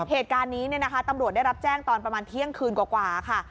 เหตุการณ์นี้ตำรวจได้รับแจ้งตอนประมาณเที่ยงคืนกว่าค่ะ